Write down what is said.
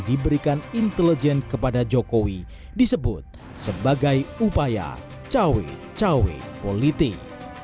diberikan intelijen kepada jokowi disebut sebagai upaya cawe cawe politik